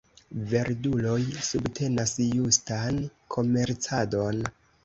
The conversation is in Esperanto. Verduloj subtenas justan komercadon.